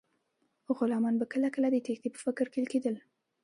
غلامان به کله کله د تیښتې په فکر کې کیدل.